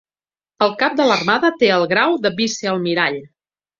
El cap de l'Armada té el grau de Vicealmirall.